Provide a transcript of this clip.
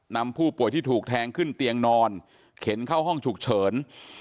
นำผู้ป่วยที่ถูกแทงขึ้นเตียงนอนเข็นเข้าห้องฉุกเฉิน